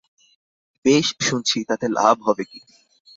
বেশ শুনছি, তাতে লাভ হবে কি?